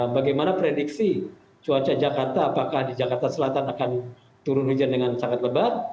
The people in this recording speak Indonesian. bagaimana prediksi cuaca jakarta apakah di jakarta selatan akan turun hujan dengan sangat lebat